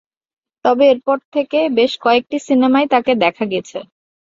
তবে এরপর থেকে বেশ কয়েকটি সিনেমায় তাকে দেখা গেছে।